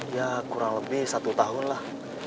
ya kurang lebih satu tahun lah